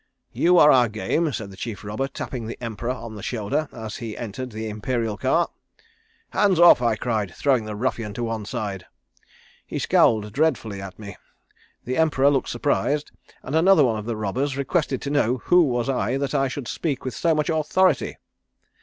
"'You are our game,' said the chief robber, tapping the Emperor on the shoulder, as he entered the Imperial car. "'Hands off,' I cried throwing the ruffian to one side. "He scowled dreadfully at me, the Emperor looked surprised, and another one of the robbers requested to know who was I that I should speak with so much authority.